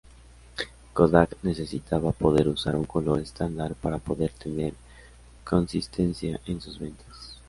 Kodak necesitaba poder usar un color estándar para poder tener consistencia en sus ventas.